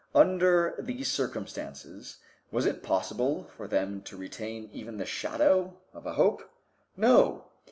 Under these circumstances was it possible for them to retain even the shadow of a hope? No!